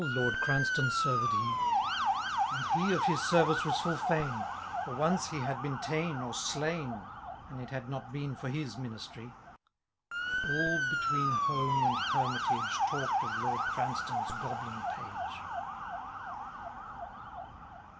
But well Lord Cranstoun served he : And he of his service was full fain ; For once he had been ta*en or slain. An it had not been for his ministry. All between Home and Hermitage, Talk'd of Lord Cranstoun's Goblin Pagn.